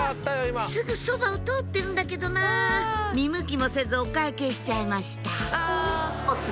すぐそばを通ってるんだけどな見向きもせずお会計しちゃいましたお釣り。